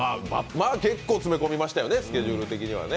結構詰め込みましたよね、スケジュール的にはね。